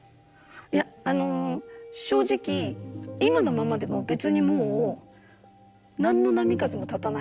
いやあの正直今のままでも別にもう何の波風も立たないんです。